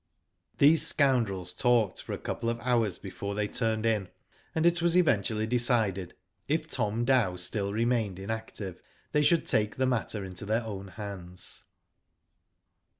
These scoundrels talked for a couple of hours before they turned in, and it was eventually de K Digitized by VjOOQIC I30 WHO DID IT? cided, if Tom Dow still remained mactive, they should take the matter into their own hands.